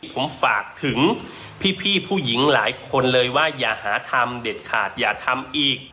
ผมฝากถึงพี่ผู้หญิงหลายคนเลยว่าอย่าหาทำเด็ดขาดอย่าทำอีก